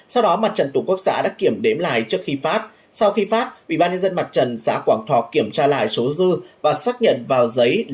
sau đó mặt trận tổ quốc xã đã kiểm đếm lại trước khi phát sau khi phát ủy ban nhân dân mặt trận xã quảng thọ